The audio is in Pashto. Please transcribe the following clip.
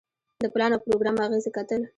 د پلان او پروګرام اغیزې کتل.